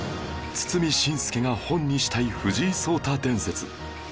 堤伸輔が本にしたい藤井聡太伝説